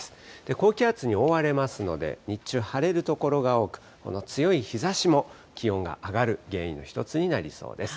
高気圧に覆われますので、日中、晴れる所が多く、この強い日ざしも気温が上がる原因の一つになりそうです。